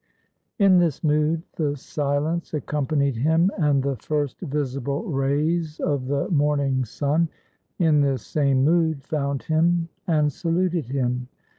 In this mood, the silence accompanied him, and the first visible rays of the morning sun in this same mood found him and saluted him.